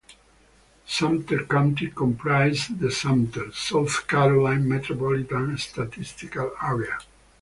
Sumter County comprises the Sumter, South Carolina Metropolitan Statistical Area.